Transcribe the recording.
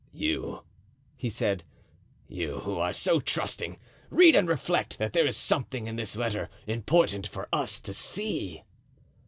"You," he said, "you, who are so trusting, read and reflect that there is something in this letter important for us to see."